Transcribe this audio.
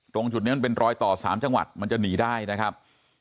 ตรงจุดนี้มันเป็นรอยต่อ๓จังหวัดมันจะหนีได้นะครับ